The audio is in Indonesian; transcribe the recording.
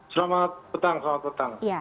selamat petang selamat petang